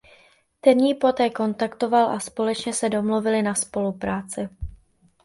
Ten ji poté kontaktoval a společně se domluvili na spolupráci.